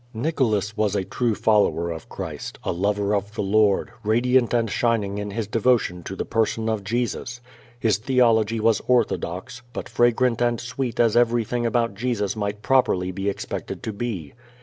Nicholas was a true follower of Christ, a lover of the Lord, radiant and shining in his devotion to the Person of Jesus. His theology was orthodox, but fragrant and sweet as everything about Jesus might properly be expected to be.